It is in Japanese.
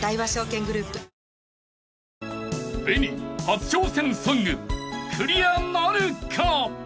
初挑戦ソングクリアなるか］